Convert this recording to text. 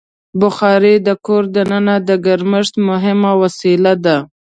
بخاري د کور دننه د ګرمښت مهمه وسیله ده.